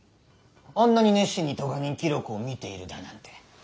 あんなに熱心に科人記録を見ているだなんて。